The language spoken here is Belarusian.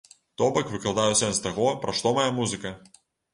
То бок выкладаю сэнс таго, пра што мая музыка.